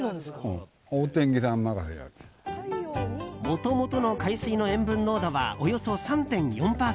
もともとの海水の塩分濃度はおよそ３．４％。